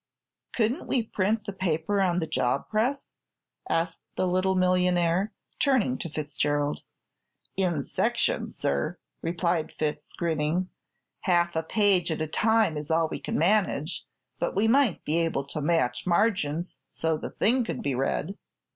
"Couldn't we print the paper on the job press?" asked the little millionaire, turning to Fitzgerald. "In sections, sir," replied Fitz, grinning. "Half a page at a time is all we can manage, but we might be able to match margins so the thing could be read."